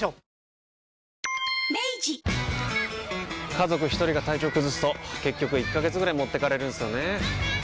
家族一人が体調崩すと結局１ヶ月ぐらい持ってかれるんすよねー。